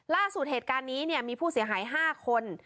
ล่าสุดเหตุการณ์นี้มีผู้เสียหาย๕คน